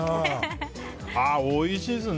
おいしい。